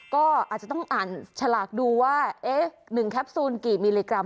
ก็อาจจะต้องอ่านฉลากดูว่า๑แคปซูลกี่มิลลิกรั